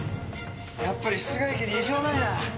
やっぱり室外機に異常ないな。